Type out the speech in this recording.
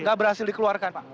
nggak berhasil dikeluarkan pak